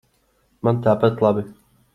Man tāpat labi.